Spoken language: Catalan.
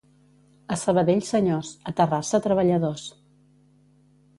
A Sabadell senyors, a Terrassa treballadors.